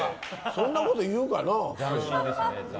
そんなこと言うかな？